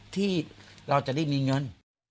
ที่เราจะได้มีเงิน